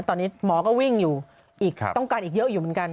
ตอนนี้หมอก็วิ่งอยู่อีกต้องการอีกเยอะอยู่เหมือนกัน